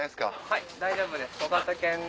はい大丈夫です。